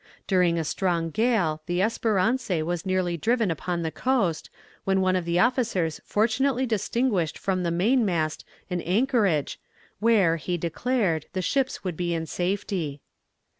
During a strong gale the Espérance was nearly driven upon the coast, when one of the officers fortunately distinguished from the main mast an anchorage, where, he declared, the ships would be in safety.